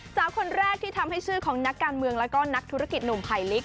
สาวคนแรกที่ทำให้ชื่อของนักการเมืองแล้วก็นักธุรกิจหนุ่มไผลลิก